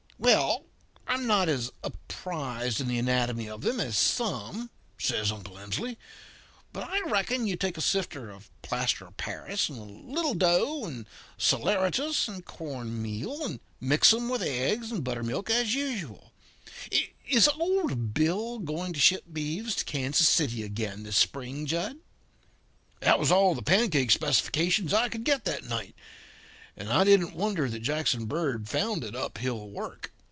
"'Well, I'm not as apprised in the anatomy of them as some,' says Uncle Emsley, 'but I reckon you take a sifter of plaster of Paris and a little dough and saleratus and corn meal, and mix 'em with eggs and buttermilk as usual. Is old Bill going to ship beeves to Kansas City again this spring, Jud?' "That was all the pancake specifications I could get that night. I didn't wonder that Jackson Bird found it uphill work.